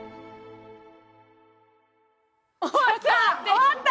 「終わった！